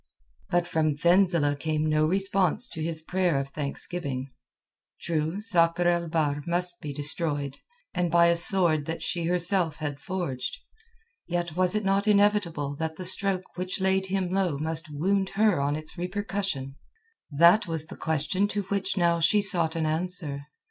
But from Fenzileh came no response to his prayer of thanksgiving. True, Sakr el Bahr must be destroyed, and by a sword that she herself had forged. Yet was it not inevitable that the stroke which laid him low must wound her on its repercussion? That was the question to which now she sought an answer.